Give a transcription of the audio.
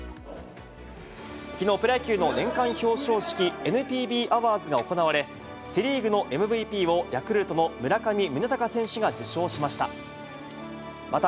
きのう、プロ野球の年間表彰式ＮＰＢアワーズが行われ、セ・リーグのＭＶＰを、ヤクルトの村上宗隆選手が受賞しました。